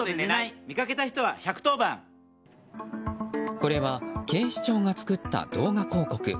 これは警視庁が作った動画広告。